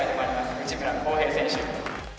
内村航平選手。